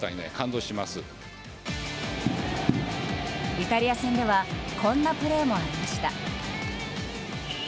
イタリア戦ではこんなプレーもありました。